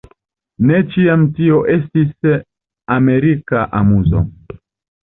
Ne ĉiam tio estis amerika amuzo.